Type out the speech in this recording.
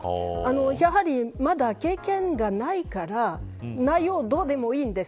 やはり、まだ経験がないから内容がどうでもいいんです。